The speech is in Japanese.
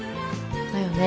だよね？